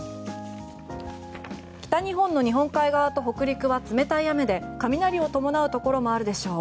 北日本の日本海側と北陸は冷たい雨で雷を伴うところもあるでしょう。